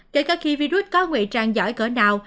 kể cả khi virus có nguy trang giỏi cỡ nào